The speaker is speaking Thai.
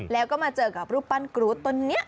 แล้วก็มาเจอกับรูปปั้นกรูดต้นนี้